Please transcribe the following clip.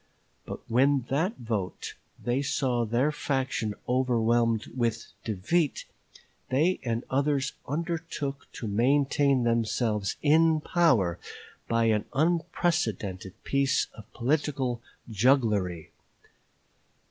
But when by that vote they saw their faction overwhelmed with defeat, they and others undertook to maintain themselves in power by an unprecedented piece of political jugglery.